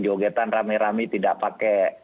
jogetan rame rame tidak pakai